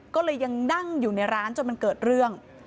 ก็เลยยังนั่งอยู่ในร้านจนมันเกิดเรื่อง